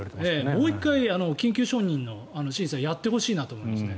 もう１回、緊急承認の審査をやってほしいなと思いますね。